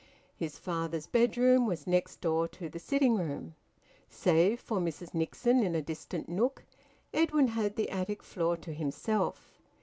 His father's bedroom was next door to the sitting room. Save for Mrs Nixon in a distant nook, Edwin had the attic floor to himself.